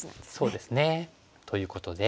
そうですね。ということで。